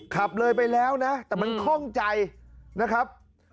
ขับเลยไปแล้วนะแต่มันคล่องใจนะครับ